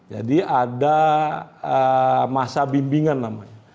ada masa bimbingan namanya